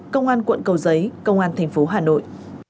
công an quận cầu giấy công an thành phố hà nội